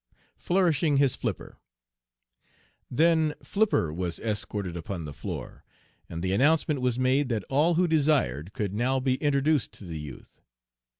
FLOURISHING HIS FLIPPER. "Then Flipper was escorted upon the floor, and the announcement was made that all who desired could now be introduced to the youth.